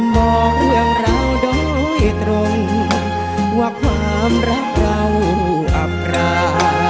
มองเรื่องเราโดยตรงว่าความรักเราอับรา